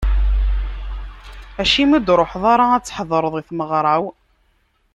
Acimi ur d-truḥeḍ ara ad tḥedreḍ i tmeɣra-w?